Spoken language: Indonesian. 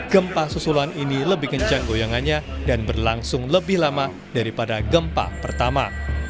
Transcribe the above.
gempa susulan ini lebih kencang goyangannya dan berlangsung lebih lama daripada gempa pertama